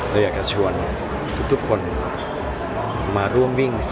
เราอยากจะชวนทุกคนมาร่วมวิ่ง